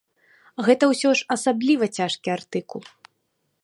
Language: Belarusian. Гэта ўсё ж асабліва цяжкі артыкул.